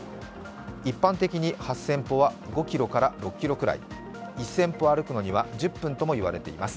一般的に８０００歩は５キロから６キロぐらい、１０００歩歩くのには１０分ともいわれています。